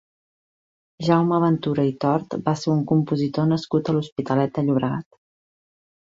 Jaume Ventura i Tort va ser un compositor nascut a l'Hospitalet de Llobregat.